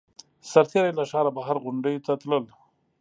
سرتېري له ښاره بهر غونډیو ته تلل.